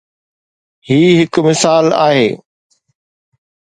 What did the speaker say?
هي هڪ مثال آهي.